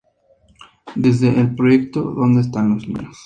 Desde el Proyecto ¿Dónde están los niños?